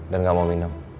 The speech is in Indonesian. dan gak mau minum